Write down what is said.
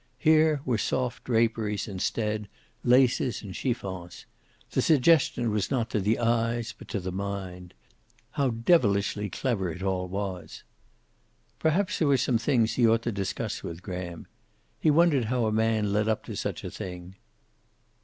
Here were soft draperies instead, laces and chiffons. The suggestion was not to the eyes but to the mind. How devilishly clever it all was. Perhaps there were some things he ought to discuss with Graham. He wondered how a man led up to such a thing.